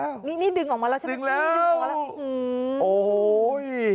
อันนี้ดึงออกมาแล้วใช่ไหมนี่ดึงออกแล้ว